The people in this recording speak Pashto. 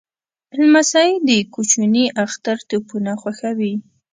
لمسی د کوچني اختر توپونه خوښوي.